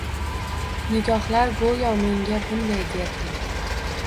Nigohlar goʻyo menga bunday derdi.